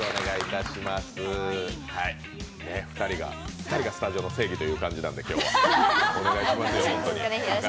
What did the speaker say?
２人がスタジオの正義ということなのでよろしくお願いします。